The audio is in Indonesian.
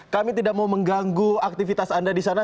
kami tidak mau mengganggu aktivitas anda di sana